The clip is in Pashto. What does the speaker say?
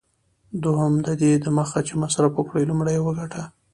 دوهم: ددې دمخه چي مصرف وکړې، لومړی یې وګټه.